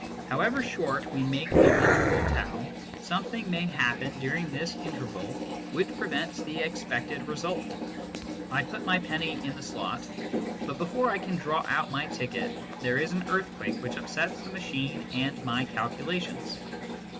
However short we make the interval T, something may happen during this interval which prevents the expected result. I put my penny in the slot, but before I can draw out my ticket there is an earthquake which upsets the machine and my calcula tions.